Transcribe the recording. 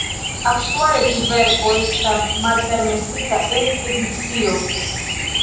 Aktuale tiu verko estas malpermesita en Egiptio.